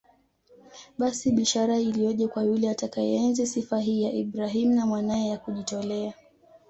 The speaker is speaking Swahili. Basi bishara iliyoje kwa yule atakayeenzi sifa hii ya Ibrahim na Mwanaye ya kujitolea